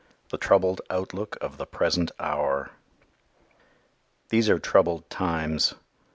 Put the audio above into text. The Troubled Outlook of the Present Hour_ THESE are troubled times.